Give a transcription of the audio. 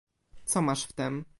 "Co masz w tem?"